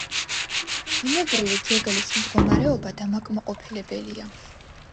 ბუნებრივი ძეგლის მდგომარეობა დამაკმაყოფილებელია.